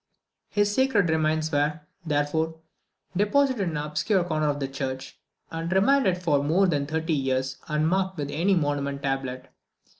His sacred remains were, therefore, deposited in an obscure corner of the church, and remained for more than thirty years unmarked with any monumental tablet.